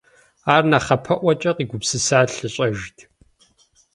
Ар нэхъапэӀуэкӀэ къигупсыса лъыщӀэжт.